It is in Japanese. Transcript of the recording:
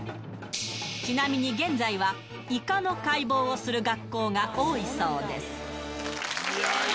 ちなみに現在はイカの解剖をする学校が多いそうです。